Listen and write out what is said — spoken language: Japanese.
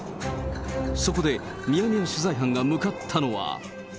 そこで、ミヤネ屋取材班が向かったのは。